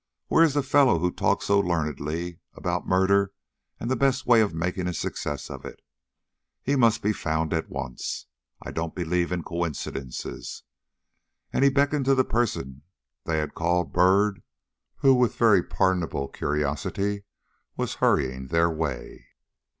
"Where is the fellow who talked so learnedly about murder and the best way of making a success of it. He must be found at once. I don't believe in coincidences." And he beckoned to the person they had called Byrd, who with very pardonable curiosity was hurrying their way.